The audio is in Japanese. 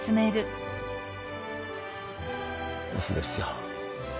オスですよ。